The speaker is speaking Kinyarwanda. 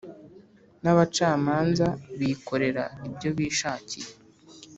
n abacamanza bikorera ibyo bishakiye